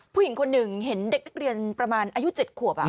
ผู้หญิงคนหนึ่งเห็นเด็กนักเรียนประมาณอายุ๗ขวบ